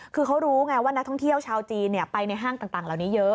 คือเขารู้ไงว่านักท่องเที่ยวชาวจีนไปในห้างต่างเหล่านี้เยอะ